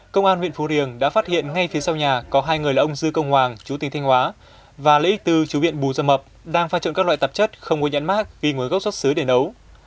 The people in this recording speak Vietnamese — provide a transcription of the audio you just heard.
công an huyện phú riềng đã phát hiện ngay phía sau nhà có hai người là ông dư công hoàng chú tp hcm và lễ tư chú viện bù sa mập đang pha trộn các loại tạp chất không có nhãn mát vì nguồn gốc xuất xứ để nấu